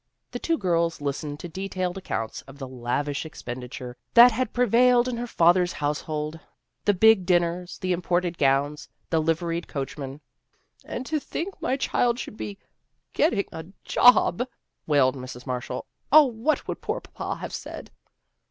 The two girls listened to detailed accounts of the lavish expenditure that had prevailed in her father's household, the big 280 THE GIRLS OF FRIENDLY TERRACE dinners, the imported gowns, the Jiveried coachman. " And to think that my child should be getting a job," wailed Mrs. Mar shall. " 0, what would poor papa have said?